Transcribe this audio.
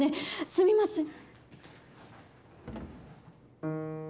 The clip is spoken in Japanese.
すみません。